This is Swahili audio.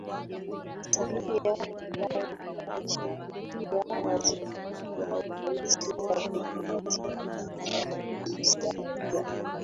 Samia atashikilia wadhifa wa urais kwa kipindi kilichosalia